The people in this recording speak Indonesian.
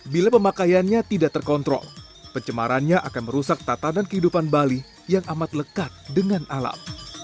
bila pemakaiannya tidak terkontrol pencemarannya akan merusak tatanan kehidupan bali yang amat lekat dengan alam